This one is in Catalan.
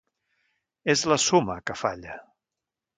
És la suma, que falla.